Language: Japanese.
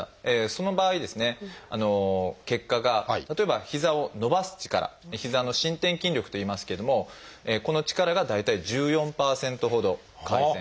その場合ですね結果が例えば膝を伸ばす力膝の伸展筋力といいますけれどもこの力が大体１４％ほど改善。